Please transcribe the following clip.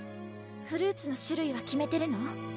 フルーツの種類は決めてるの？